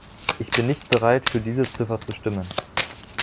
Ich bin nicht bereit, für diese Ziffer zu stimmen.